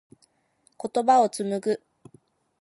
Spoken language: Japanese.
言葉を紡ぐ。